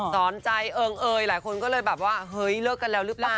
สอนใจเอิงเอยหลายคนก็เลยแบบว่าเฮ้ยเลิกกันแล้วหรือเปล่า